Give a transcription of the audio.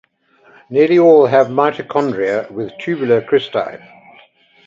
Nearly all have mitochondria with tubular cristae.